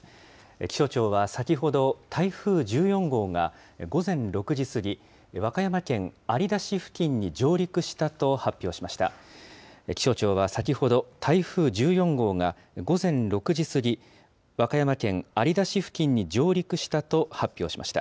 気象庁は先ほど、台風１４号が午前６時過ぎ、和歌山県有田市付近に上陸したと発表しました。